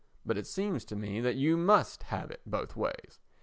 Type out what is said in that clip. But it seems to me that you must have it both ways.